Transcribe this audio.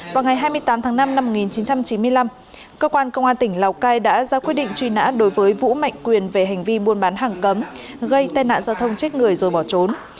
vào ngày hai mươi tám tháng năm năm một nghìn chín trăm chín mươi năm cơ quan công an tỉnh lào cai đã ra quyết định truy nã đối với vũ mạnh quyền về hành vi buôn bán hàng cấm gây tai nạn giao thông chết người rồi bỏ trốn